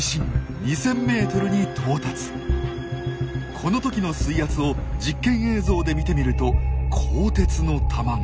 この時の水圧を実験映像で見てみると鋼鉄の玉が。